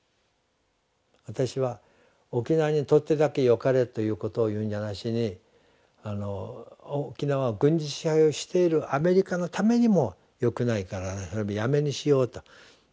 私は沖縄にとってだけよかれということを言うんじゃなしに沖縄を軍事支配をしているアメリカのためにもよくないからやめにしようと。